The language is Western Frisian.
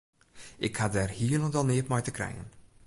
Ik ha dêr hielendal neat mei te krijen.